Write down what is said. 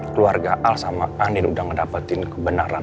keluarga al sama anil udah ngedapetin kebenaran